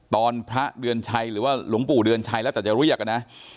พระเดือนชัยหรือว่าหลวงปู่เดือนชัยแล้วแต่จะเรียกนะ